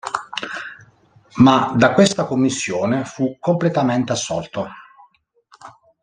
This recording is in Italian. Ma da questa commissione fu completamente assolto.